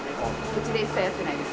うちで一切やってないです。